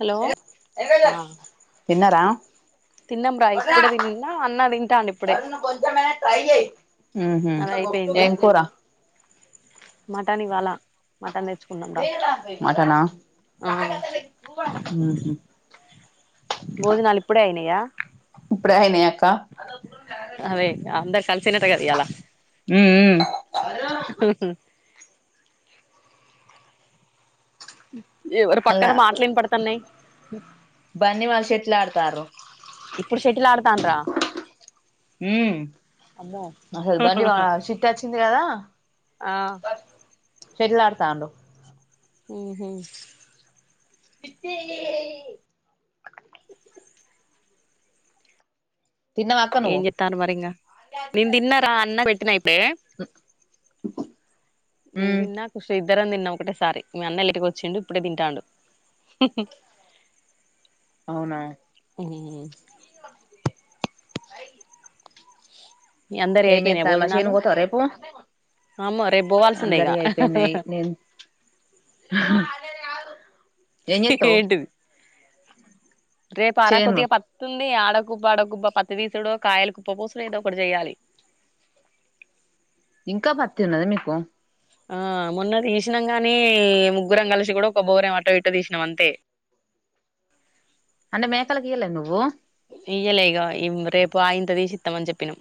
Hello ఆ తిన్నార తిన్నాం రా కొ ఇప్పుడే తిన్నా అన్న తింటాండు ఇప్పుడే అ కొంచ మ టై అది ఉంహు అయిపోయింది ఏం కూర మటన్ ఇవాళ మటన్ తెచ్చుకున్నాంరా ఆ ఉమ్ హు భోజనాలు ఇప్పుడే అయినాయా ఇప్పుడే అయినాయ అక్క అవే అందరి కలసిండ్రంట కదా ఇయాల ఉమ్ ఉమ్ [inaudible] [inaudible] ఎవరు పక్కన అలా మాటలు ఇన పడతన్నాయి బన్నీ వాళ్ళు షెటిల్ ఆడతారు ఇప్పుడు షెటిల్ ఆడతాన్రా ఉమ్ అసలు బండి వా సిట్ వచ్చింది కదా ఆ షెట్టిల్ అడతాండ్రు ఉమ్ హు చిట్టి తిన్నవా అక్క ఏం నువ్వు చేత్రాండ్రు మరింగ నేను తిన్నార అన్నకి పెట్టినా ఇప్పుడే చెప్ప నేను తిన్నా ఖుషిద్ ఇద్దరం తిన్నాం ఒకటేసారి మీ అన్న ఇంటికి వచ్చిండు ఇప్పుడే తింటాడు అవునా ఉమ్ ై మీ అందరియి ఎం అయిపోయినాయా చెత్త మరి భోజనాలు చేనుకి పోతావా రేపు అమ్మో రేపు పోవాల్సిందే అందరివి ఇగ అయిపోయినాయి నేను ఏం చేత్తావు ఏంటిది రేపార చేను కొద్దిగా పతుం కానీ ఆడగుబ్బ ఆడగుబ్బ పత్తి తీసుడో కాయలు కుప్ప పోసూడో ఏదో ఒకటి చెయాలి [inaudible] ఇంకా పత్తి ఉన్నదా మీకు ఆ మొన్న తీసినాం గాని ముగ్గురం కలిసి కూడా ఒక బోరు ఏం అటో ఇటో తీసినాం అంతే [inaudible] అంటే మేకాలకి ఇయలె నువ్వు ఇయ్యలేగ రేపు ఆ ఇంత తీసి ఇస్తామని చెప్పినాం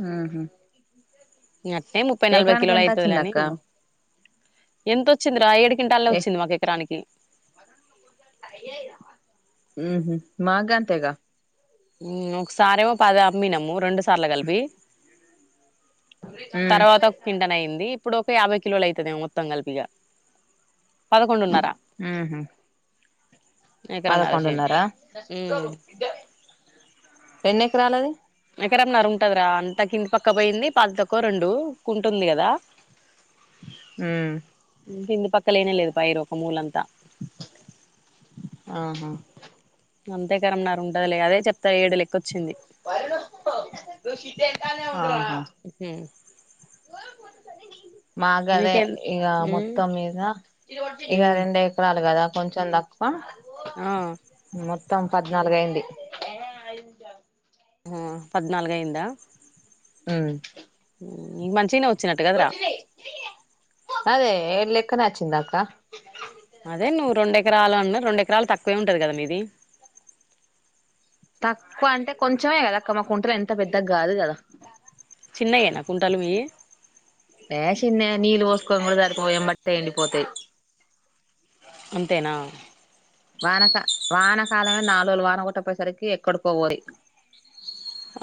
ఉంహు ఇ అట్టనే ముప్పై నలభై కిలోలు వచ్చింది అయితదని అక్క ఎంతొచ్చింది రాయ కింటాల్లో ఏ వచ్చింది మాకు ఎకరానికి ఉమ్ హు మాకుగంతెగ ఉమ్ ఒకసారేమో పాదమ్మినము రెండు సార్లు కలిపి ఉమ్ తర్వాత ఒక కింటన్ అయింది ఇప్పుడు డు యాభై కిలోలు అయితదే మొత్తం కలిపిగా పదకొండున్నారా పదకొండు ఉన్నారా చేను ఎన్ని ఎకిరాలది ఎకరమన్నారురు ఉంటదరా అంత కింది పక్క పోయింది పది తక్కువ రెండు కుంటుంది కదా ఉమ్ కింది పక్కలేనే లేదు పైరు ఒక మూలంతా ఆహా అంతే కరంన్నారు ఉంటండదులే అదే చెప్తారు ఏడు లెక్క వచ్చింది ఆహా మాగదే నీకేం ఇక ఉమ్ మొత్తం మీద ఇక ఉమ్ రెండు ఎకరాలు కదా కొంచెం తక్కువ ఆ మొత్తం పద్నాలుగు అయింది అయనజా పద్నాలుగు అయిందా హ మంచిగనే వచ్చినట్టు కదరా అదే ఏడులెక్కనచ్చిందాక్క అదే నువ్వు రెండు ఎకరాలు అన్నా రెండు ఎకరాలు తక్కువే ఉంటాది కదా మీది తక్కువ అంటే కొంచమే కదా అక్క మా కుంటలో ఎంత పెద్దగా కాదు కదా చిన్నయేనా కుంటలు మీవి చిన్నవే నీలు పోసుకోం కూడా సరిపోవు ఏంబట్టనీ ఎండిపోటై అంతేనా వానక వానకాలమే నాలు [unintelligible] లు వాహన కుట్ట పోయేసరికి ఎక్కడ పోవాలి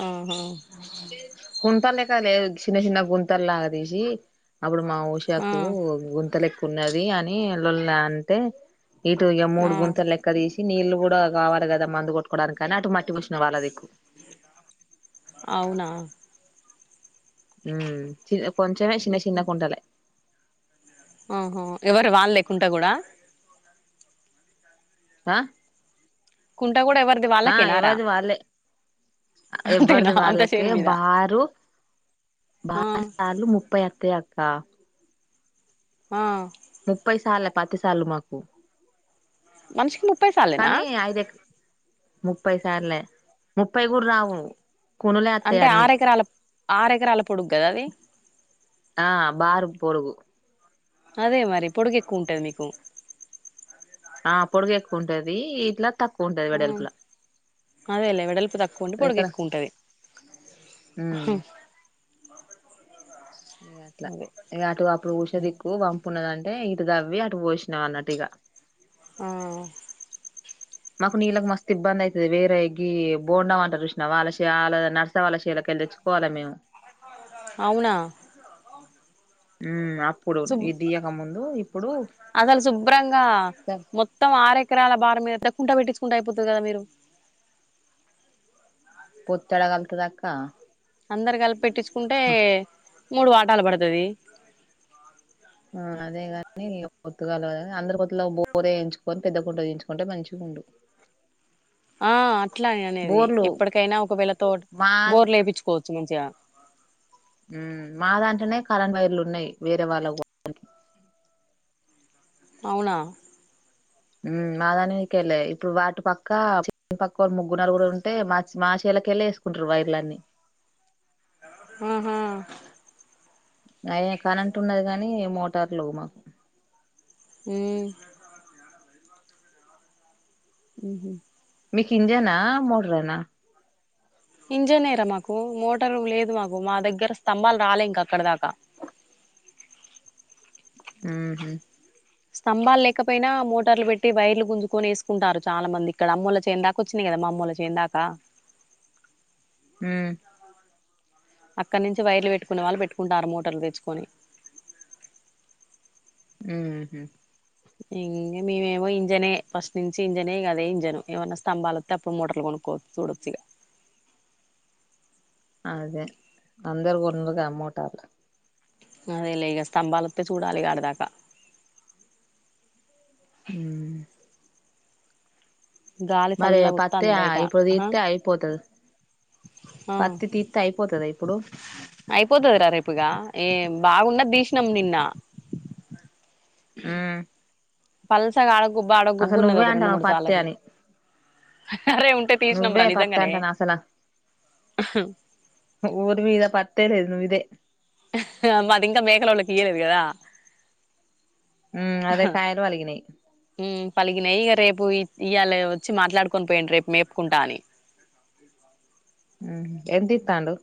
ఆహ కుంట లే కా లే చిన్న చిన్న గుంతల్లాదసి అప్పుడు మా ఆ ఉషాకు గుంత లెక్కు ఉన్నది అని వెల అంటే ఇటు ఇ ఆ మూడు గుంతల్ లెక్క తీసి నీళ్లు కూడా కావాలి కదా మందు కొట్టుకోవడానికి కానీ అటు మట్టి పోసిన వాళ్ళదిక్కువ అవునా చి కొంచమే చిన్న చిన్న కుంటాల ఆహో ఎవరు వాళ్ళ లకుంట కూడా ఆ కుంట కూడా ఎవరిది ఆ వాళ్ళకేనారా ఎవరిది వాళ్ళ అంతేనా ఎవ్వరిది అంత వాళ్ళకి చేను మీద బారు ఆ భారీసార్లు ముప్పై అత్తయ అక్క ఆ ముప్పై సార్ పతిసలు మాకు మనషకి ముప్పైసాలేనా కానీ ఐదు ఎక ముప్పై సార్లే ముప్పై కూడా రావు కొనులే వత్తాయి అన్ని ఆర ఎకరాల పొడుగు కదా అది ఆ బారు పోడుకు అదే మరి పొడుగు ఎక్కువ ఉంటది మీకు పొడుగ ఎక్కువ ఉంటది ఇట్లా తక్కువ ఉంటది వెడల్పులా అదేలే వెడల్పు తక్కువ అంటే పొడక ఎక్కువ ఉంటుంది హ మా ఫ ఇ అట్లా ఇ అటుగా అప్పుడు ఉఊషదిక్కువ పం ప్పు ఉన్నదంటే ఇటు దవ్వి అటు పోసినావి అన్నట్టు ఇక ఆ మాకు నీళ్ళకి మస్తు ఇబ్బంది అవుతుది వేరే ఎ బోండావ అంటారు కృష్ణ్ వాళ్ళ నరస వాళ శీలక తేచ్చుకోవాలా మేము అవునా ఉ అప్పుడు సుబ్ ఈ దియక ముందుప్పు అసలు శుభ్రంగా మొత్తం ఆర ఎకరాల భారం మీద కుంట పెట్టించుకుంటే అయిపోతది కదా మీరు పొత్తు ఎడ కలుతది అక్క అందరు కలిపి పెట్టించుకుంటే మూడు వాటాలు పడుతది ఆ అదేగాని పొత్తుగదా అందరి పొత్తుల బోరే ఎయించుకొని పెద్ద కుంట తీయించుకుంటే మంచిగా ఉన్ ఉండు ఆ అట్లా నేను అనేది బోర్లు ఎప్పటికైనా ఒకవేళ తోట్ మా బోర్లు వేపించుకో చు మంచియ ఉ మా దాంట్లోనే కరెంట్ వైర్లు ఉన్నాయి వేరే వాళ్ళకి పోవడానికి అవునా ఉ మా దాని మిదికేళ్ళే ఇప్పుడు వాటి పక్క పక్క వాళ్ళు ముగ్గురు నలుగురు ఉంటే మా మచ్ మా చెల్ల్ ఇట్లకెళ్లే వేసుకుంటారు వైర్లు అన్ని [inaudible] ఆహా అయ్యో కరెంట్ ఉన్నది కానీ మోటార్లు లేవు మాకు హు ఉహు మీకు ఇంజనా మోటరేనా ఇంజనేరా మాకు మోటార్ లేదు మాకు మా దగ్గర స్తంభాలు రాలే ఇంకా అక్కడ దాకా ఏ హుహ్ స్తంభాలు లేకపోయినా మోటార్లు పెట్టి వైర్లు గుంజుకొనిసుకుంటారు చాలా మంది ఇక్కడ అమ్మల చెను దాకా వచ్చింది కదా మా అమ్మోల్లా చెను దాకా ఉ అక్కడ నుంచి వైర్లు పెట్టుకునే వాళ్ళు పెట్టుకుంటారు మోటర్లు తెచ్చుకొని ఉహు ఇంగ మీము ఏమో ఇంజనే ఫస్ట్ నుంచి ఇంజనే గదే ఇంజన్ ఏమైనా స్తంభాలు వస్తే అప్పుడు మోటర్లు కొనుక్క కో చూడచ్చు ఇగ అదే అందరూ కొన్నారు కదా మోటార్లు అదెలే ఇగ స్తంభాలు వస్తే చూడాలి ఇగ అడిదాక హు గాలి మరి చల్లగా పత్తి వత్తాంది బయట ఇప్పుడు ఆ తిత్తే అయిపోతది ఆ పత్తి తిత్తే అయిపోతదా ఇప్పుడు అయిపోతది రా రేపు ఇగ ఏ బాగున్నది తీసినాం నిన్న ఉ పల్సగా ఆడగుబ్బు ఆడగుబ్బు ఉన్నది ఒక రెండు అంటానవు మూడు పత్తి సళ్ళకి అని నువ్వే పత్తి అంటానావ్ అసల ఊర్ మీద పత్ తెలేదు నువ్వు ఇదే హుహ మాది ఇంకా మేకలొల్లకి ఇయ్యలేదు కదా ఉమ్ అదే హహ కాయలు వలిగినయి ఉ పలిగినాయి ఇగ రేప్ ప్ ఇయ్యాలే వచ్చి మాట్లాడుకొని పోయిండు రేపు మేపుకుంటా అని హ్ ఎంత ఇతండు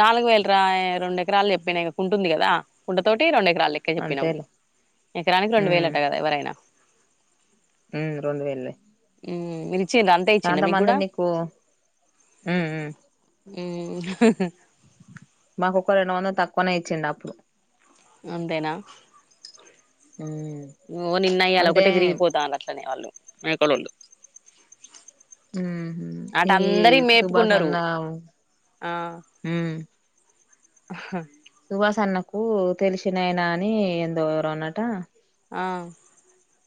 నాలుగు వేలు రా రెండు ఎకరాలు చెప్పిన ఇగ కుంటుంది కదా కుంటతోటి రెండు ఎక్ ఎకరాలు లెక్క చెప్పినాము అంతేలే ఎకరానికి రెండు వేలు అట్టా కదా ఎవరైనా హ్ రెండు వేలులే ఉ మీరు ఇచ్చిళ్ళ అంతే ఇచ్చిండ మీకు కూడా నీకు ఉమ్ ఉమ్ ఉ హాహా మాకు ఒక రెండు వందలు తక్కువనే ఇచ్చిండు అప్పుడు అంతేనా ఉమ్ ఓ నిన్నయ్యలా అంటే ఒకటే తిరిగిపోతల్లు అట్లా అట్లానే వాళ్ళు మేకలొల్లు హుహ్ ఈ సుభాష్ మేపుకున్నారు అన్నావ్ ఉ ఆ హా సువాాస అన్నకు తెలిసినైనా అని ఎందో ఎవరో అన్నట ఆ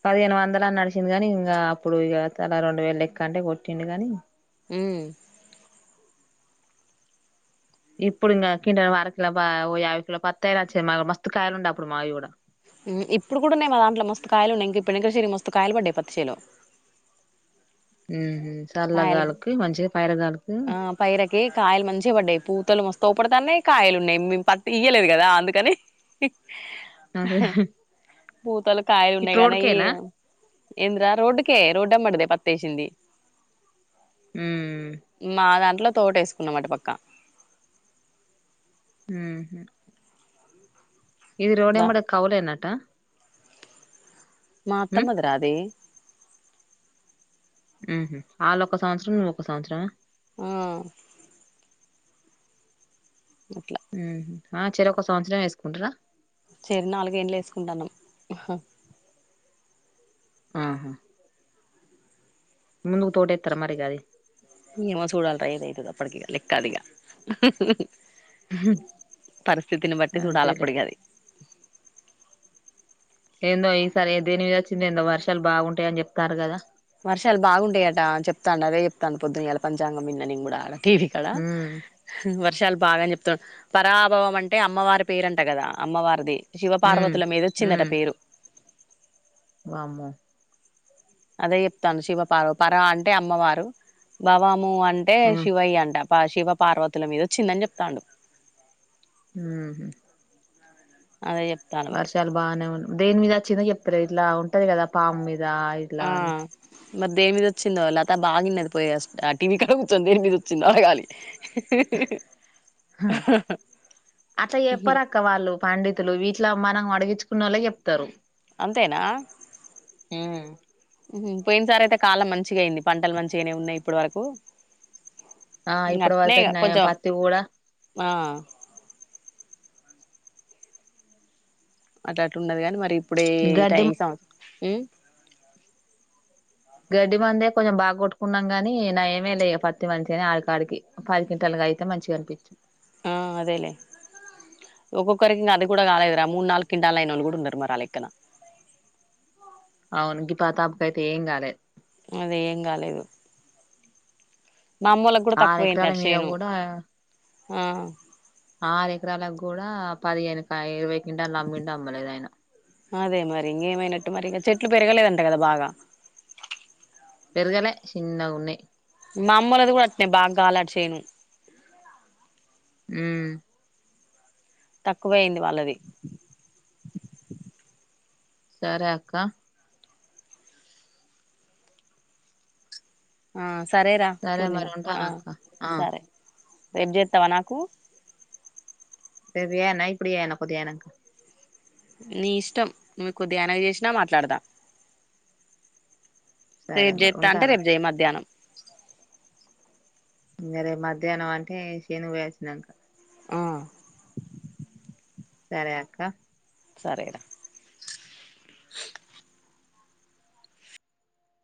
పదిహేను వందల అని నడిచింది గాని ఇంకా అప్పుడు ఇక అలా రెండు వేలు లెక్క అంటే కొట్టిండు గాని ఉమ్ ఇప్పుడు ఇంకా కొంటా వర కిలో యావై కిలో పత్తయచ్చ మా మస్త్ కాయలు ఉండ అప్పుడు మావి కూడా ఇప్పుడు కూడా ఉన్నాేయ్ మా దాంట్లో మస్త్ కాయలు ఉండేి ప పెణకసెర్ రి మస్తుస్తకాయలు పడ్డాయి పచ్చ సెల్లో ఉమ్ చల్లగాలుకి మంచిగా పైరగాలుకి ఆ పైరకి కాయలు మంచిగ పడ్ కే పూతలు మస్తోపడతానే కాయలు ఉన్నాయి మేము పత్ ఇయలేదు కదా అందుకని అదే పూతలు కాయలు ఇటు ఉన్నాయి కానీ అవి రోడ్కేనా ఏంద్రా రోడ్కే రోడ్ అమ్మడే పతేసింది ఉమ్ మా దాంట్లో తోట వేసుకున్నా మటు పక్కా ఉమ్ ఇది దా రోడెమ్మడ కవులే అన్నట ఉమ్ మాత్తమ్మదిరా అ ది ఉమ్ వాళ్ళొ ఒక సంవత్సరం నువ్వొ ఒక సంవత్సరం ఆ అట్లా ఆ చెరో ఒక సంవత్సరం వేసుకుంటరా సెరీ నాలుగేంలు వేసుకుంటానమ్ ఆ ముందుగు తోటేతర మరి గది ఏమో చూడాలి రా ఏద అయితదో అప్పటికిక లెక్కదిగా పరిస్థితిని బట్టి చూడాల అంతేలే అప్పుడిగది ఏందో ఈసారి దేని మీద వచ్చిందొ ఏందో వర్షాలు బాగుంటాయి అని చెప్తాఆండ్రూ కదా వర్షాలు బాగుంటాయట చెప్తాను అదే చెప్తాను పొద్దున్న ఎలా పంచాంగం విిన్న నేను కూడా టీ వి కళ ఉమ్ వ ర్షాలు బాగాని చెప్తాడు పరాభవం అంటే అమ్మవారి పేరంట కదా అమ్మవారిది శివ ఉమ్ పార్వతుల మీద వచ్చిందట ఉమ్ పేరు వామ్మో అదే చెప్తాఅండ్రు శివ పార్వ పరవ అంటే అమ్మవారు భవాము అ అంటే ఉమ్ శివయ్య అంట శివ పార్వతుల మీద వచ్చిందని చెప్తాఅండు ఉమ్ హు అదే చెప్తాను మరి వర్షాలు బానే ఉన్ దేని మీద వచిిందో చెప్తారు ఇట్లా ఉంటది కదా పామ్ మీద దా ఆ ఇట్లాని మరి దేనిమీద వచ్చిందో లత బాగిన్నది పోయి ఆ టీవీ క కూర్చోనీ దేని మీద వచ్చిందో ఆడగాలి అట్లా చేప్పరక్క వాళ్ళు పండితులు వీట్లా మనం అడిగి తెచ్చుకున్నోలే చెప్తారు అంతేనా పోయిన సార్ అయితే కాలం మంచిగా అయింది పంటలు మంచిగానే ఉన్నాయి ఇప్పటి వరకు ఆ ఇప్పుడు అట్నే వరకైతే నయం కొంచం పత్తి కూడా ఆ అట్లా అట్ల ఉండదు గాని మరి ఇప్పుడే టై గడ్డి సం ఉమ్ గడ్డి మందే కొంచెం బాగా కొట్టుకున్నాం కాని నాయ మే లే పత్తి మంచి గాని ఆడికిడికి పది కింటల్ అయితే మంచిగా అనిపించు ఆ అదేలేే ఒక్కొక్కరికి అది కూడా కాలేదురా మూడు నాలుగు కింటాలఅయిన ఓళ్ళు కూడా ఉన్నారు మరి లెక్కన అవును గ పాతాపకైతే ఏం కాలేదు అదే ఏం కాలేదు మా అమ్మోలకి గూడా ఆరు ఎకరాల తక్కువయిందట మీద శేను కూడా ఆ ఆరు ఎకరాల గూడా పదిహేను పై ఇరవై కింటాలు అమ్మిండొ అమ్మలేదో ఆయన. అదే మరి ఇంకేమైనట్టు మరి ఇంగ, చెట్లు పెరగలేదంట కదా బాగా. ఉగనే చిన్నగ ఉన్నయ్ మా అమ్మోలది గూడా అట్నే, బాగ్ గాలేట శేను. ఊమ్ తక్కువయింది వాళ్ళది సరే అక్క ఆ సరేరా సరే పూర్ణిమ మరి ఉంటాను అక్క ఆ సరే రేపు చేత్తవా నాకూ రేప్ జేయాన్నా, ఇప్పుడు జేయానా, పొద్ది అయినంక. నీ ఇష్టం నువ్ కొద్ది అయిన చేసినా మాట్లాడతా సరే రేప్ మరి జేత్తా అంటే ఉంటానా రేప్ జెయ్ మధ్యాహ్నం ఇంగ రేప్ మధ్యాహ్నం అంటే, శేనుగ్ వేయొచ్చినంక. ఆ సరే అక్క సరేరా